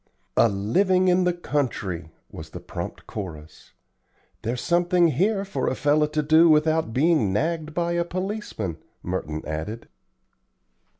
"A living in the country," was the prompt chorus. "There is something here for a fellow to do without being nagged by a policeman," Merton added.